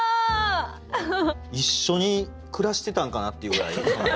一緒に暮らしてたんかなっていうぐらい。